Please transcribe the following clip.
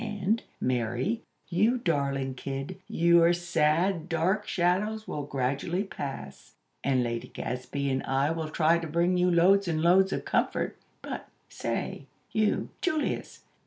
And, Mary, you darling kid, your sad, dark shadows will gradually pass; and Lady Gadsby and I will try to bring you loads and loads of comfort. But, say, you, Julius!